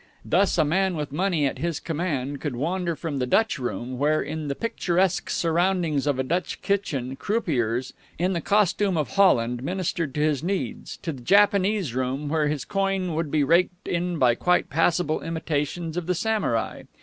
Thus, a man with money at his command could wander from the Dutch room, where, in the picturesque surroundings of a Dutch kitchen, croupiers in the costume of Holland ministered to his needs, to the Japanese room, where his coin would be raked in by quite passable imitations of the Samurai.